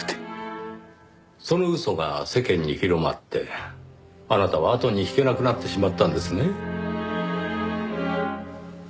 その嘘が世間に広まってあなたは後に引けなくなってしまったんですね。